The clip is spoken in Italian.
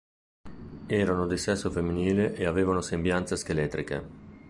Erano di sesso femminile e avevano sembianze scheletriche.